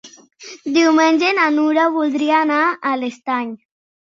Diumenge na Nura voldria anar a l'Estany.